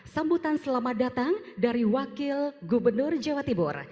sambutan selamat datang dari wakil gubernur jawa timur